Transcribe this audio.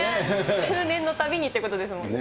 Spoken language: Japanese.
周年のたびにということですもんね。